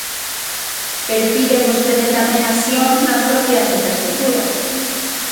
Pero pide vostede tamén accións nas propias infraestruturas.